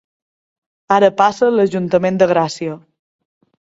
Ara passa l'Ajuntament de Gràcia.